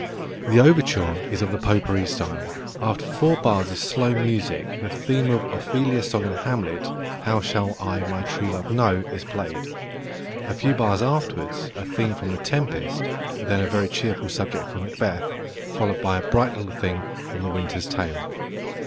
The overture is of the "potpourri" style. After four bars of slow music the theme of Ophelia's song in Hamlet, "How shall I my true love know?", is played. A few bars afterwards a theme from The Tempest, then a very cheerful subject from Macbeth, followed by a bright little thing from The Winter's Tale.